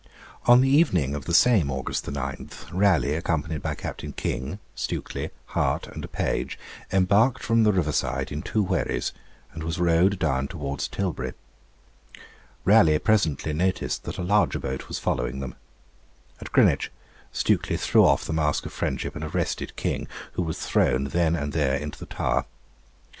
On the evening of the same August 9, Raleigh, accompanied by Captain King, Stukely, Hart, and a page, embarked from the river side in two wherries, and was rowed down towards Tilbury. Raleigh presently noticed that a larger boat was following them; at Greenwich, Stukely threw off the mask of friendship and arrested King, who was thrown then and there into the Tower.